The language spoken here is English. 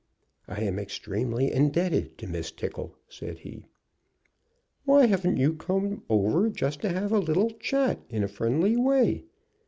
"I am extremely indebted to Miss Tickle," said he. "Why haven't you come over just to have a little chat in a friendly way?